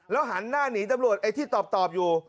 หันหน้าหนีตำรวจไอ้ที่ตอบอยู่